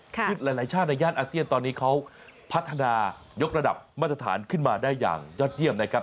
คือหลายชาติในย่านอาเซียนตอนนี้เขาพัฒนายกระดับมาตรฐานขึ้นมาได้อย่างยอดเยี่ยมนะครับ